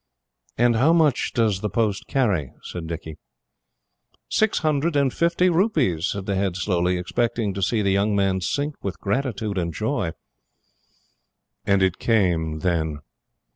"And how much does the post carry?" said Dicky. "Six hundred and fifty rupees," said the Head slowly, expecting to see the young man sink with gratitude and joy. And it came then!